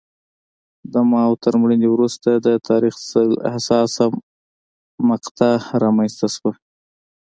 د ماوو تر مړینې وروسته د تاریخ حساسه مقطعه رامنځته شوه.